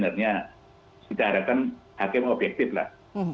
artinya kita harapkan hakim objektif lah